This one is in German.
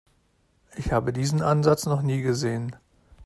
Ich habe diesen Ansatz noch nie gesehen.